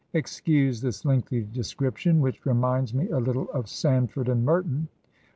Excuse this lengthy description, which reminds me a little of Sandford and Merton.